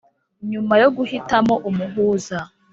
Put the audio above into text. nyuma yo guhitamo umuhuza